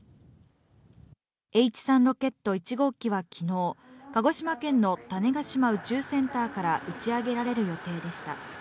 Ｈ３ロケット１号機はきのう、鹿児島県の種子島宇宙センターから打ち上げられる予定でした。